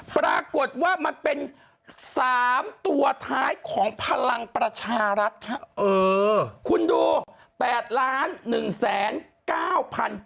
๗๖๗ปรากฏว่ามันเป็น๓ตัวท้ายของพลังประชารัฐคุณดู๘ล้าน๑แสน๙พัน๗๖๗คน